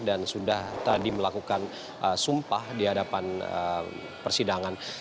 dan sudah tadi melakukan sumpah di hadapan persidangan